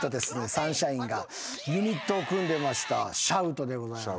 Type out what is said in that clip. サンシャインがユニットを組んでましたシャウトでございます。